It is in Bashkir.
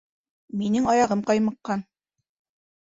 Минең аяғым ҡаймыҡҡан